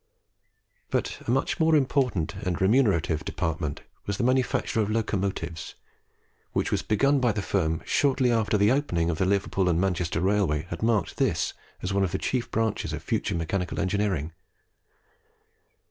But a much more important and remunerative department was the manufacture of locomotives, which was begun by the firm shortly after the opening of the Liverpool and Manchester Railway had marked this as one of the chief branches of future mechanical engineering.